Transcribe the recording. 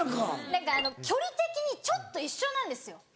何か距離的にちょっと一緒なんですよ。